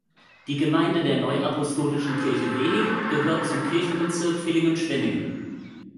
Die Gemeinde der neuapostolischen Kirche Wehingen gehört zum Kirchenbezirk Villingen-Schwenningen.